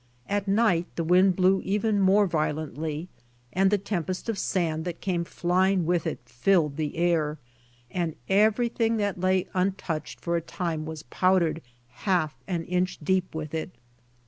At night the wind blew even more vio lently, and the tempest of sand that came flying with it filled the air, and everything that lay untouched for a time was powdered half an inch deep with it.